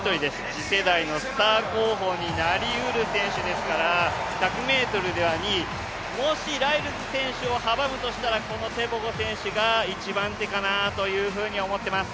次世代のスター候補になりうる選手ですから１００ｍでは２位、もしライルズ選手を阻むとしたらこのテボゴ選手が一番手かなというふうに思ってます。